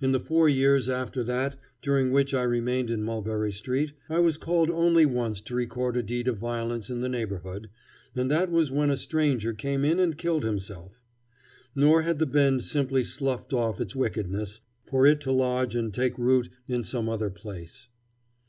In the four years after that during which I remained in Mulberry Street I was called only once to record a deed of violence in the neighborhood, and that was when a stranger came in and killed himself. Nor had the Bend simply sloughed off its wickedness, for it to lodge and take root in some other place.